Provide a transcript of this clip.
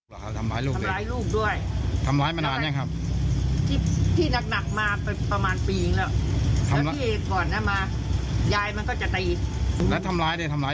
แล้วตัวมันก็ไปรักษาแต่มันไม่ชิดยา